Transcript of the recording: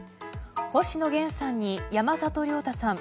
星野源さんに山里亮太さん。